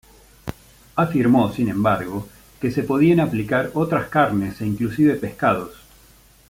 Afirmó, sin embargo, que se podían aplicar otras carnes e inclusive pescados.